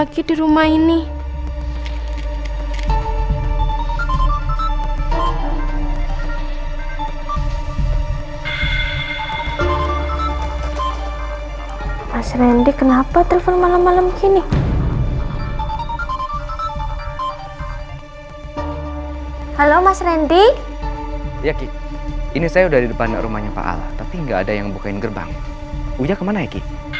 kita bahkan pertama kali deh bukain jareng